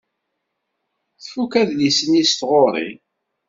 Tfuk adlis-nni s tɣuri?